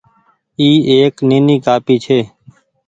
اي ايڪ نيني ڪآپي ڇي۔